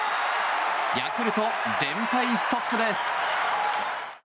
ヤクルト、連敗ストップです。